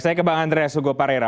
saya ke bang andreas hugo parera